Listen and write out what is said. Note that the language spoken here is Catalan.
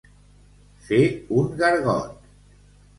Fer un gargot.